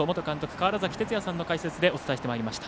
川原崎哲也さんの解説でお伝えしてまいりました。